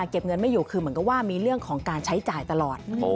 เก็บเงินไม่อยู่คือเหมือนกับว่ามีเรื่องของการใช้จ่ายตลอด